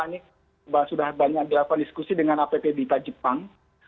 karena sudah banyak dilakukan diskusi dengan apb di jepang